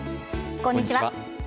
こんにちは。